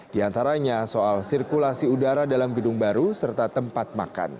di antaranya soal sirkulasi udara dalam gedung baru serta tempat makan